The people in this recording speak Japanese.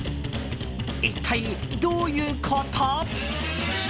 一体、どういうこと？